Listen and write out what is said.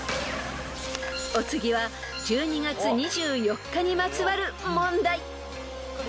［お次は１２月２４日にまつわる問題］